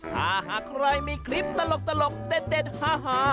ถ้าหากใครมีคลิปตลกเด็ดฮา